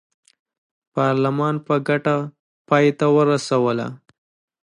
پارلمان په ګټه پای ته ورسوله.